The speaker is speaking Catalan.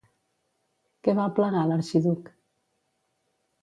Què va aplegar l'Arxiduc?